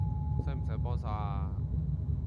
使唔使幫手呀